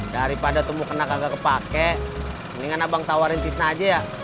daripada temu kena gak kepake mendingan abang tawarin tisna aja ya